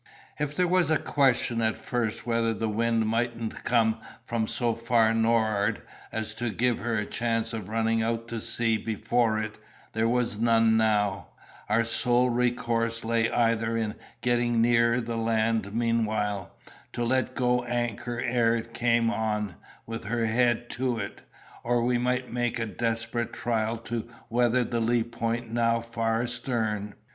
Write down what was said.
If there was a question at first whether the wind mightn't come from so far nor'ard as to give her a chance of running out to sea before it, there was none now—our sole recourse lay either in getting nearer the land meanwhile, to let go our anchors ere it came on, with her head to it—or we might make a desperate trial to weather the lee point now far astern.